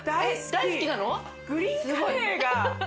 大好きなの？